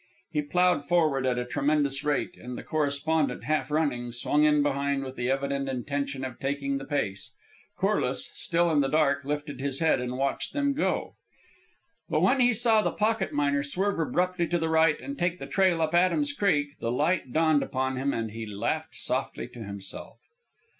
He ploughed forward at a tremendous rate, and the correspondent, half running, swung in behind with the evident intention of taking the pace. Corliss, still in the dark, lifted his head and watched them go; but when he saw the pocket miner swerve abruptly to the right and take the trail up Adams Creek, the light dawned upon him and he laughed softly to himself.